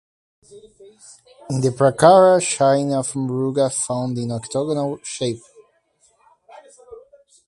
In the prakara shrine of Muruga found in octagonal shape.